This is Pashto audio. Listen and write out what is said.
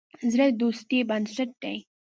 زړه د دوستی بنسټ دی.